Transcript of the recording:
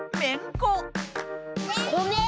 こめ。